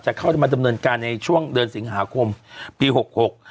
เข้ามาดำเนินการในช่วงเดือนสิงหาคมปีหกหก